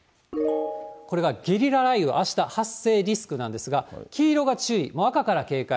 これがゲリラ雷雨、あした発生リスクなんですが、黄色が注意、赤から警戒。